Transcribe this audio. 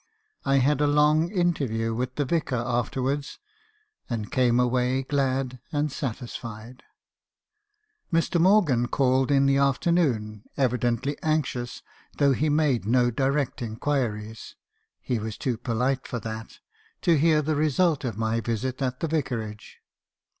I had a long interview with the Vicar after wards; and came away glad and satisfied. "Mr. Morgan called in the afternoon, evidently anxious, though he made no direct inquiries (he was too polite for that), to hear the result of my visit at the Vicarage.